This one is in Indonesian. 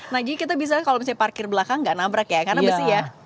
naji kita bisa kalau misalnya parkir belakang gak nabrak ya karena besi ya